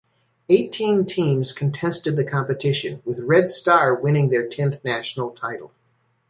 Eighteen teams contested the competition, with Red Star winning their tenth national title.